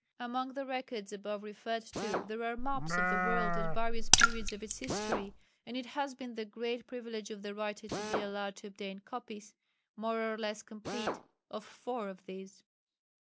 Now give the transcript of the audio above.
Among the records above referred to there are maps of the world at various periods of its history, and it has been the great privilege of the writer to be allowed to obtain copies more or less complete of four of these.